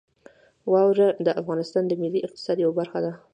واوره د افغانستان د ملي اقتصاد یوه برخه ده.